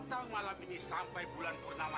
keluar anak saya sampai kenapa napa